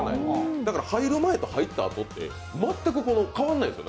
だから入る前と入ったあとって全く変わらないんですよ